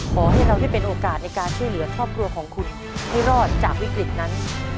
ขอให้เราได้เป็นโอกาสในการช่วยเหลือครอบครัวของคุณให้รอดจากวิกฤตนั้น